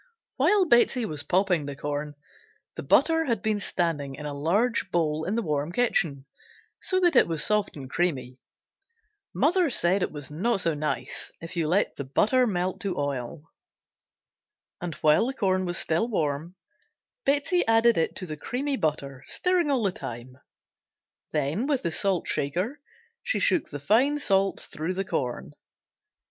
While Betsey was popping the corn, the butter had been standing in a large bowl in the warm kitchen, so that it was soft and creamy (mother said it was not so nice if you let the butter melt to oil), and while the corn was still warm, Betsey added it to the creamy butter, stirring all the time, then with the salt shaker she shook the fine salt through the corn.